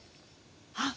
あっ！